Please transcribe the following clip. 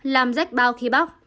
làm rách bao khi bóc